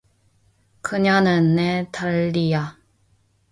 그녀는 내 딸이야.